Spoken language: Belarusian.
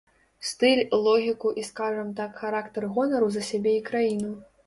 Стыль, логіку і, скажам так, характар гонару за сябе і краіну.